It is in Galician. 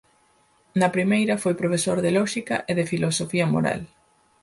Na primeira foi profesor de Lóxica e de Filosofía Moral.